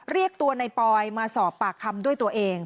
เรียกตัวในปอยมาสอบปากคำด้วยตัวเอง